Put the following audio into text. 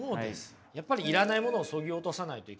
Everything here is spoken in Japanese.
やっぱりいらないものをそぎ落とさないといけないですよね。